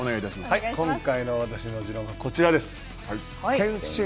今回の私の自論はこちらです。